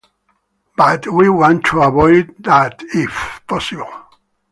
But we want to avoid that if possible.